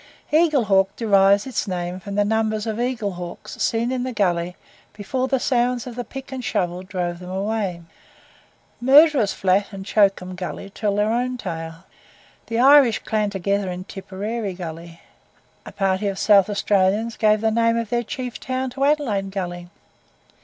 Eagle Hawk derives its name from the number of eagle hawks seen in the gully before the sounds of the pick and shovel drove them away. Murderer's Flat and Choke'em Gully tell their own tale. The Irish clan together in Tipperary Gully. A party of South Australians gave the name of their chief town to Adelaide Gully.